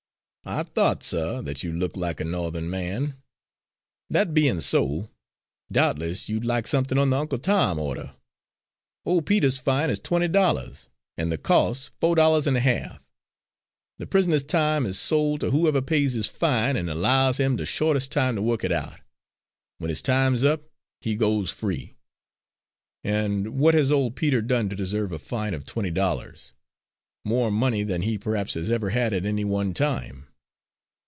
"I thought, suh, that you looked like a No'the'n man. That bein' so, doubtless you'd like somethin' on the Uncle Tom order. Old Peter's fine is twenty dollars, and the costs fo' dollars and a half. The prisoner's time is sold to whoever pays his fine and allows him the shortest time to work it out. When his time's up, he goes free." "And what has old Peter done to deserve a fine of twenty dollars more money than he perhaps has ever had at any one time?"